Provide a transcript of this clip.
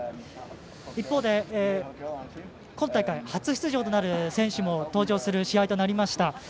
一方で今大会初出場となる選手も登場する試合となりました。